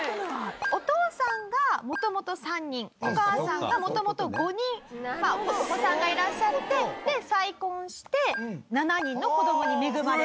お父さんが元々３人お母さんが元々５人お子さんがいらっしゃって再婚して７人の子供に恵まれたと。